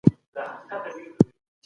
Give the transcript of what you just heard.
کیسې، ټوکې او طنز مو لیکنې خوندوروي.